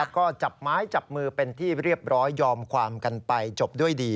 ก็จับไม้จับมือเป็นที่เรียบร้อยยอมความกันไปจบด้วยดี